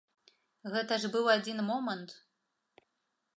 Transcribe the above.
Гэта ж быў адзін момант.